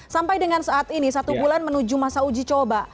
sampai dengan saat ini satu bulan menuju masa uji coba